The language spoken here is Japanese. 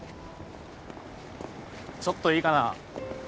ちょっといいかな？